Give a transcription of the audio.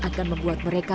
problem satu ya